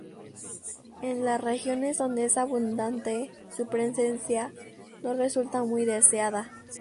En las regiones donde es abundante, su presencia no resulta muy deseada.